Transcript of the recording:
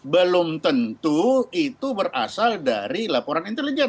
belum tentu itu berasal dari laporan intelijen